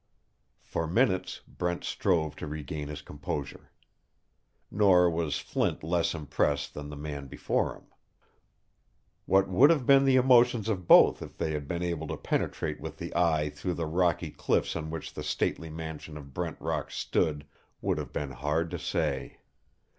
For minutes Brent strove to regain his composure. Nor was Flint less impressed than the man before him. What would have been the emotions of both if they had been able to penetrate with the eye through the rocky cliffs on which the stately mansion of Brent Rock stood would have been hard to say.